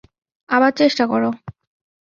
আবার চেষ্টা করো।